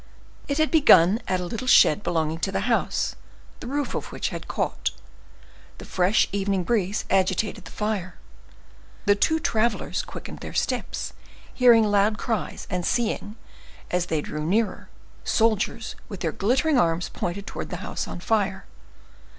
It had begun at a little shed belonging to the house, the roof of which had caught. The fresh evening breeze agitated the fire. The two travelers quickened their steps, hearing loud cries, and seeing, as they drew nearer, soldiers with their glittering arms pointed towards the house on fire.